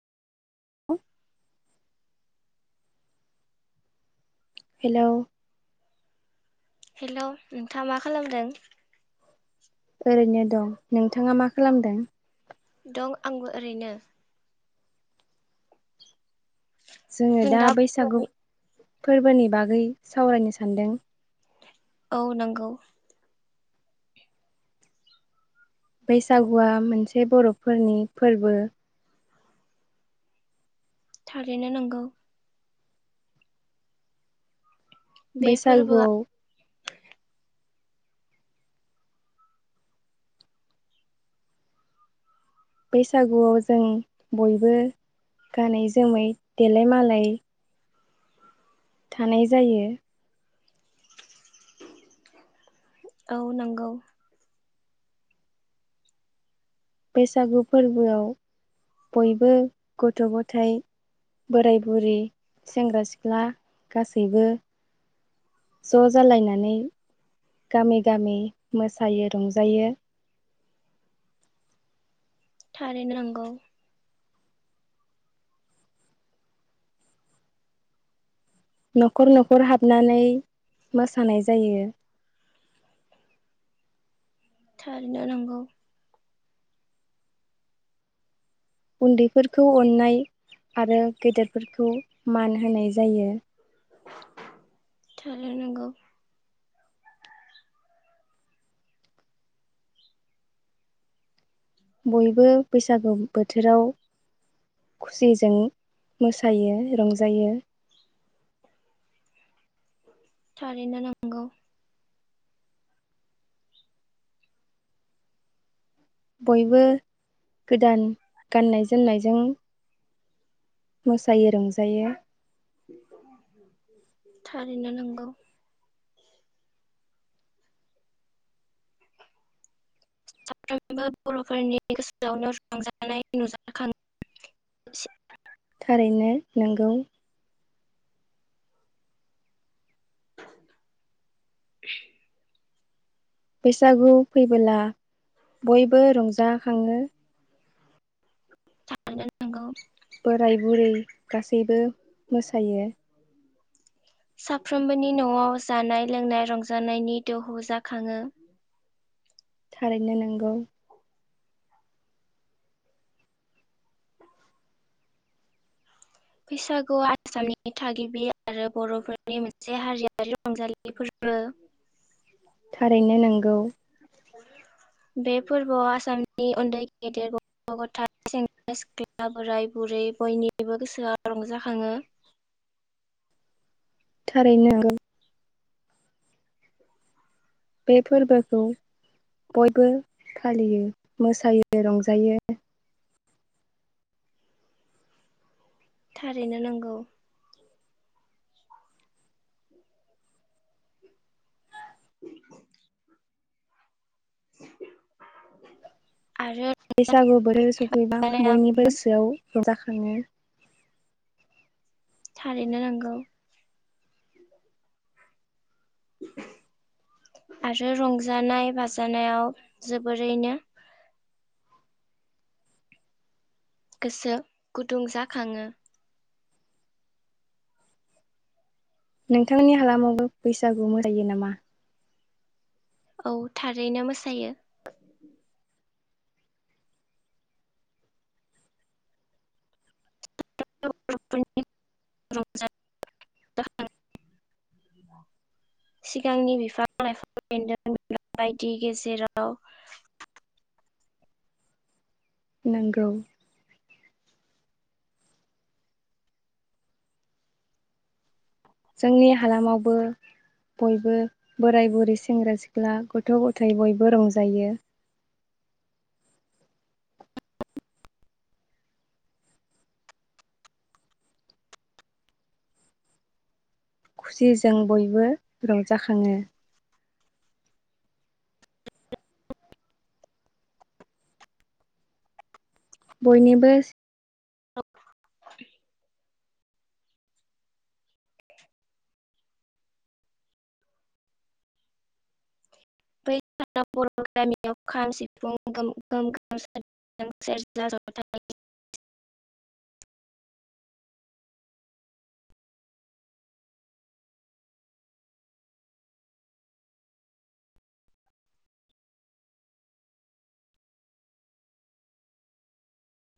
[unintelligible] Hello hello नोंथाङा मा खालामदों? ओरैनो दं नोंथाङा मा खालामदों? दं आंबो ओरैनो। जोङो दा बैसागु फोरबोनि बागै सावरायनो सानदों। औ नंगौ। बैसागुआ मोनसे बर'फोरनि फोरबो। थारैनो नंगौ। बे फोरबोआ बैसागुआव बैसागुआव जों बयबो गानै जोमै देलाय मालाय थानाय जायो औ नंगौ बैसागु फोरबोआव बयबो गथ' गथाय बोराय बुरै सेंग्रा सिख्ला गासैबो ज' जालायनानै गामि गामि मोसायो रंजायो थारैनो नांगौ न'खर न'खर हाबनानै मोसानाय जायो थारैनो नांगौ उन्दैफोरखौ अननाय आरो गेदेरफोरखौ मान होनाय जायो उ उ उ नांगौ बयबो बैसागु बोथोराव खुसिजों मोसायो रंजायो थारैनो नंगौ बयबो गोदान गाननाय जोमनायजों मोसायो रंजायो थारैनो नंगौ साफ्रोमबो बर'फोरनि गोसोआवनो रंजानाय नुजाखांओ थारैनो नोंगौ [unintelligible] बैसागु फोरबोआ बयबो रंजाखाङो औ नांगौ बोराय बुरै गासैबो मोसायो साफ्रोमबोनि न'आव जानाय लोंनाय रंजानायनि दोहौ जाखाङो थारैनो नंगौ बैसागुआ आसामनि थागिबि थारैनो नंगौ बे फोरबोआव आसामनि उन्दै गेदेर गथ' गथाय सेंग्रा सिख्ला बोराय बुरै बयनिबो गोसोआ रंजाखाङो थारैनो नंगौ बे फोरबोखौ बयबो फालियो मोसायो रंजायो थारैनो नंगौ [inaudible] बैसागु बोथोर सफैबा बयनिबो रंजानायाबो गोसोआव जाखाङो थारैनो नोंगौ आरो रंजानाय बाजानायाव जोबोरैनो गोसो गुदुं जाखङो नोंथांनि हालामावबो बैसागु मोसायो नामा औ थारैनो मोसायो सिगांनि बिफां लाइफां बेन्दों बायदि गेजेराव नोंगौ जोंनि हालामावबो बयबो बोराय बुरै सेंग्रा सिख्ला गथ' गथाय बयबो रंजायो खुसिजों बयबो रंजाखाङो बयनिबो [inaudible] बैनाव बर' गामियाव खाम सिफुं गोम गोमखाङो सेरजा जथा